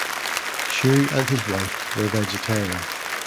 Shew and his wife were vegetarian.